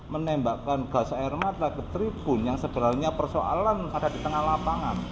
menembakkan gas air mata ke tribun yang sebenarnya persoalan ada di tengah lapangan